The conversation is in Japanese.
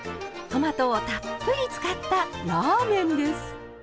トマトをたっぷり使ったラーメンです。